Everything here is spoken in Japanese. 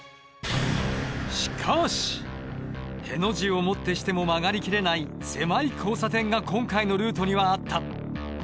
字をもってしても曲がりきれない狭い交差点が今回のルートにはあった。